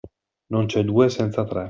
Non c'è due senza tre.